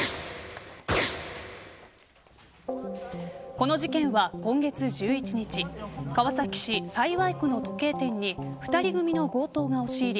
この事件は今月１１日川崎市幸区の時計店に２人組の強盗が押し入り